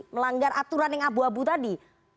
melanggar aturan yang abu abu tadi